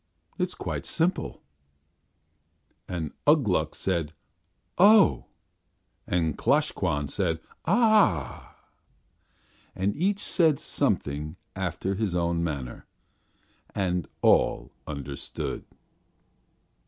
It is quite simple." And Ugh Gluk said "Oh!" and Klosh Kwan said "Ah!" And each said something after his own manner, and all understood.